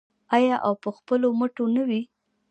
آیا او په خپلو مټو نه وي؟